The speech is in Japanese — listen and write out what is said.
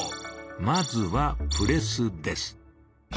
まずは「プレス」です。